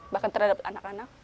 bahkan terhadap anak anak